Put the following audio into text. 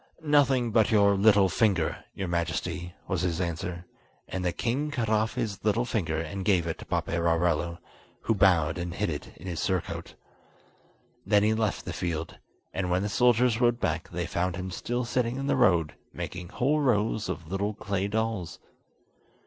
"Nothing but your little finger, your Majesty," was his answer; and the king cut off his little finger and gave it to Paperarello, who bowed and hid it in his surcoat. Then he left the field, and when the soldiers rode back they found him still sitting in the road making whole rows of little clay dolls.